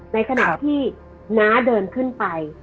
ในขณะที่น้าเดินขึ้นไป